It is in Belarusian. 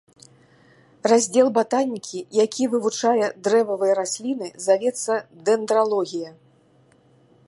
Раздзел батанікі, які вывучае дрэвавыя расліны, завецца дэндралогія.